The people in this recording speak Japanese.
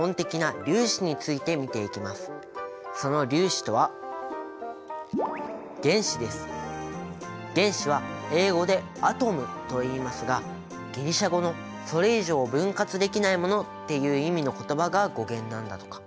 その粒子とは原子は英語でａｔｏｍと言いますがギリシア語の「それ以上分割できないもの」っていう意味の言葉が語源なんだとか。